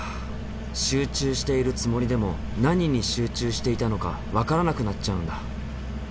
集中しているつもりでも何に集中していたのか分からなくなっちゃうんだ。